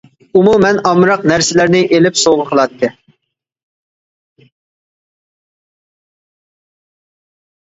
ئۇمۇ مەن ئامراق نەرسىلەرنى ئېلىپ سوۋغا قىلاتتى.